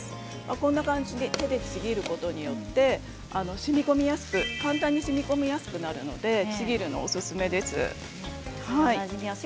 こんなふうに手でちぎることによって簡単にしみこみやすくなるのでちぎるの、おすすめです。